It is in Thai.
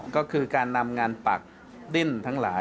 ก็คือการนำงานปักดิ้นทั้งหลาย